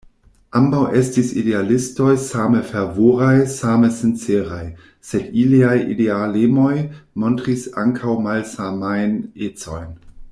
Ambaŭ estis idealistoj, same fervoraj, same sinceraj; sed iliaj idealemoj montris ankaŭ malsamajn ecojn.